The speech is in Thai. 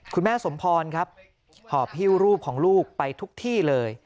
คุณแม่สมพรครับหอบฮิ้วรูปของลูกไปทุกที่เลย